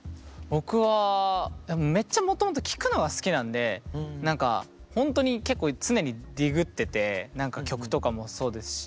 僕はめっちゃもともと聴くのは好きなんで何かほんとに結構常にディグってて何か曲とかもそうですし。